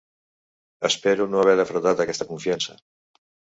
Espero no haver defraudat aquesta confiança.